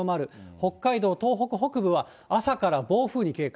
北海道、東北北部は、朝から暴風に警戒。